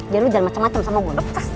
biar lu jangan macem macem sama gue lepas